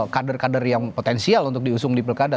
kader kader yang potensial untuk diusung di pilkada